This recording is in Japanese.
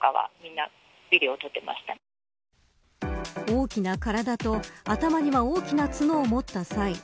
大きな体と頭には大きな角を持ったサイ。